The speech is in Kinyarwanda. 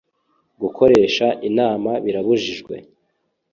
gukoresha inama birabujijwe.